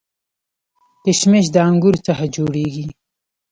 کشمش د انګورو څخه جوړیږي